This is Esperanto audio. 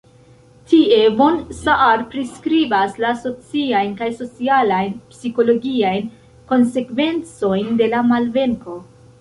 Tie von Saar priskribas la sociajn kaj socialajn-psikologiajn konsekvencojn de la malvenko.